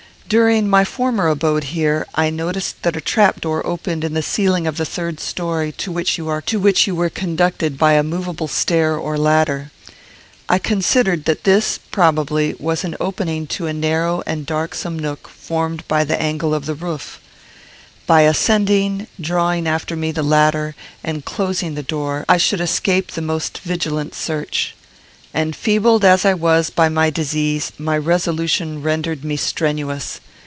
During my former abode here, I noticed that a trap door opened in the ceiling of the third story, to which you were conducted by a movable stair or ladder. I considered that this, probably, was an opening into a narrow and darksome nook formed by the angle of the roof. By ascending, drawing after me the ladder, and closing the door, I should escape the most vigilant search. Enfeebled as I was by my disease, my resolution rendered me strenuous.